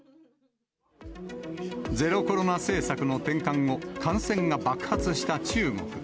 ゼロコロナ政策の転換後、感染が爆発した中国。